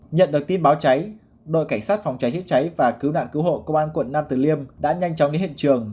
nhận được tin báo cháy đội cảnh sát phòng cháy thiết cháy và cứu nạn cứu hộ công an quận nam từ liêm đã nhanh chóng đi hiện trường